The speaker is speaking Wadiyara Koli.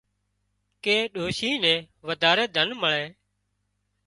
ڪي ڏوشي نين وڌاري ڌن مۯي